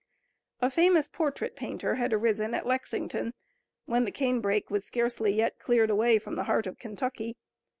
A famous portrait painter had arisen at Lexington when the canebrake was scarcely yet cleared away from the heart of Kentucky.